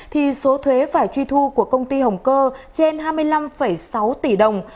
thì số thuế phải truy thu của công ty hồng cơ trên hai mươi năm sáu tỷ đồng